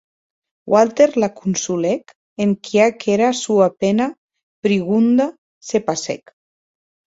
Walter la consolèc enquia qu’era sua pena prigonda se passèc.